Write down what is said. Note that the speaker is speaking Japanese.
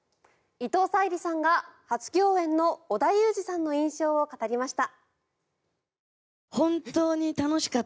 伊藤沙莉さんが初共演の織田裕二さんの印象を語りました。